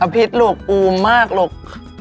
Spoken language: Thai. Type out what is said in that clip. อภิร์ฐลวกอุ้มมากหรอก